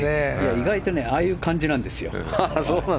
意外とああいう感じなんですよ。